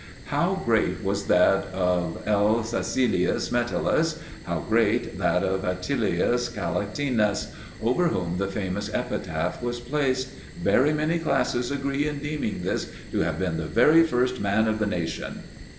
How great was that of L. Caecilius Metellus! How great that of Atilius Calatinus, over whom the famous epitaph was placed, "Very many classes agree in deeming this to have been the very first man of the nation"!